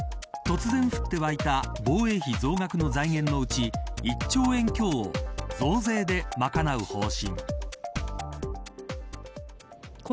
突然、降ってわいた防衛費増額の財源のうち１兆円強を増税で賄う方針。